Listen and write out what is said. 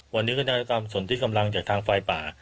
วันนี้ก็นางตายกรรมภรรย์สนทิชย์กำลังจากทางไฟป่า